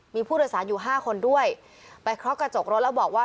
มีผู้โทรศัพท์อยู่ห้าคนด้วยไปคลอสกระจกรถแล้วบอกว่า